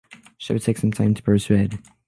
She would take some time to persuade.